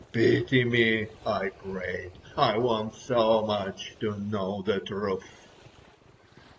"Pity me," I prayed, "I want so much to know the truth."